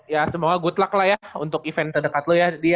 ya semoga good luck lah ya untuk event terdekat lu ya di ya